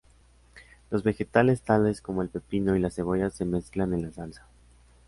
Los vegetales tales como el pepino y las cebollas se mezclan en la salsa.